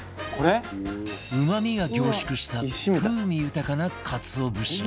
うまみが凝縮した風味豊かなかつお節に